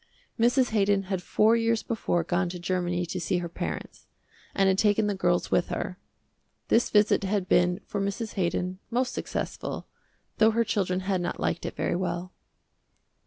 Mrs. Haydon had four years before gone to Germany to see her parents, and had taken the girls with her. This visit had been for Mrs. Haydon most successful, though her children had not liked it very well.